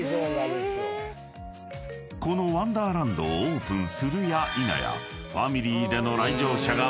［このワンダーランドをオープンするやいなや］